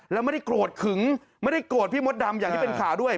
แล้วไม่ได้โกรธขึงไม่ได้โกรธพี่มดดำอย่างที่เป็นข่าวด้วย